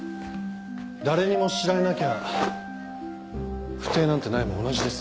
誰にも知られなきゃ不貞なんてないも同じですよ。